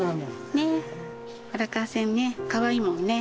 荒川線ねかわいいもんね。